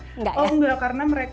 oh enggak karena mereka